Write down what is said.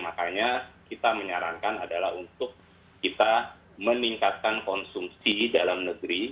makanya kita menyarankan adalah untuk kita meningkatkan konsumsi dalam negeri